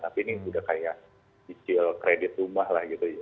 tapi ini udah kayak cicil kredit rumah lah gitu